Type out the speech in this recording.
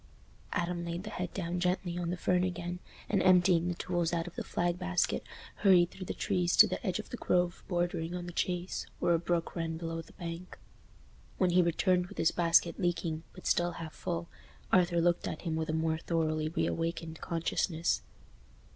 Adam laid the head down gently on the fern again, and emptying the tools out of the flag basket, hurried through the trees to the edge of the Grove bordering on the Chase, where a brook ran below the bank. When he returned with his basket leaking, but still half full, Arthur looked at him with a more thoroughly reawakened consciousness.